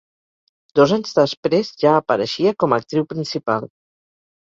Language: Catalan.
Dos anys després ja apareixia com a actriu principal.